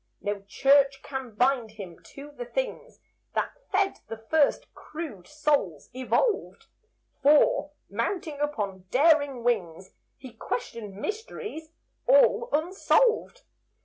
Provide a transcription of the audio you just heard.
No church can bind him to the things That fed the first crude souls, evolved; For, mounting up on daring wings, He questions mysteries all unsolved.